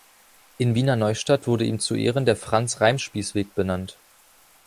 In Wiener Neustadt wurde ihm zu Ehren der "Franz-Reimspieß-Weg" benannt.